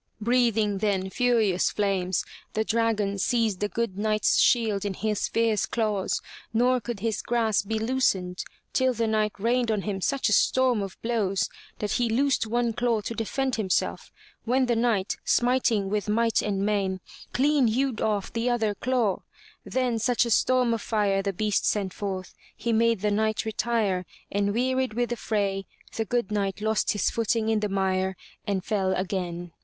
Breathing then furious flames, the dragon seized the good Knight's shield in his fierce claws nor could his grasp 46 FROM THE TOWER WINDOW be loosened, till the Knight rained on him such a storm of blows, that he loosed one claw to defend himself, when the Knight, smiting with might and main, clean hewed off the other claw. Then such a storm of fire the beast sent forth, he made the Knight retire, and wearied with the fray, the good Knight lost his footing in the mire and fell again.